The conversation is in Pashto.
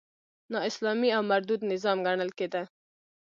نا اسلامي او مردود نظام ګڼل کېده.